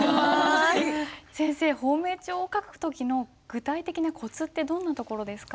先生芳名帳を書く時の具体的なコツってどんなところですか？